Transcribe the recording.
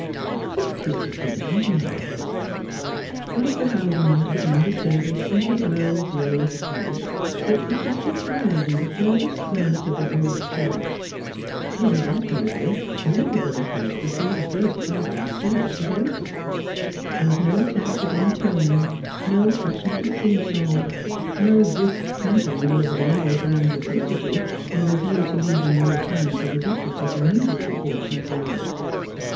' What a pity he doesn't marry !' Arthur Haldimond began the service in his low, grave voice, which was distinctly heard in the furthest corners of the old church. He read admirably, as everybody felt before the first part of the service was over. There was no attempt at intoning, no fashionable sing song, no brisk cantering over the level ground of the liturgy, with a view to leaving more time for the decora tive or musical portions thereof.